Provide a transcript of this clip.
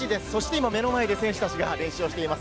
今、目の前で選手たちが練習をしています。